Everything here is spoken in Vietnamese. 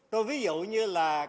tôi ví dụ như là